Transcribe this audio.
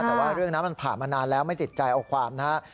แต่ว่าเรื่องนั้นมันผ่านมานานแล้วไม่ติดใจเอาความนะครับ